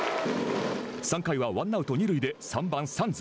３回はワンアウト、二塁で３番サンズ。